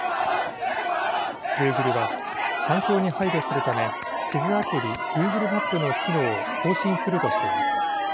グーグルは環境に配慮するため地図アプリ、グーグルマップの機能を更新するとしています。